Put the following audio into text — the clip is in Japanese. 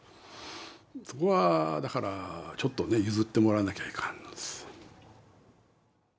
そこはだからちょっとね譲ってもらわなきゃいかんのです。